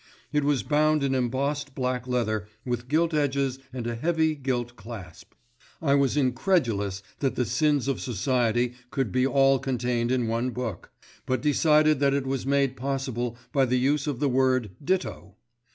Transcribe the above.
It was bound in embossed black leather with gilt edges and a heavy gilt clasp. I was incredulous that the Sins of Society could be all contained in one book; but decided that it was made possible by the use of the word "ditto."